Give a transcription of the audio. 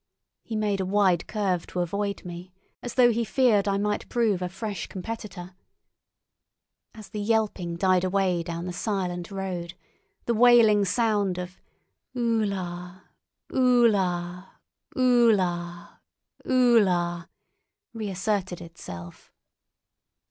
He made a wide curve to avoid me, as though he feared I might prove a fresh competitor. As the yelping died away down the silent road, the wailing sound of "Ulla, ulla, ulla, ulla," reasserted itself.